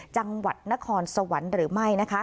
จังหวัดนครสวรรค์หรือไม่นะคะ